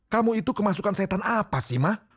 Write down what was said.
kamu itu kemasukan setan apa sih mas